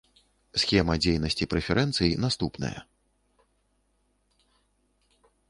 Схема дзейнасці прэферэнцый наступная.